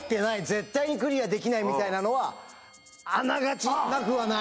絶対にクリアできないみたいなのはあながちなくはない。